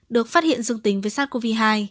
được phát hiện dương tính với sars cov hai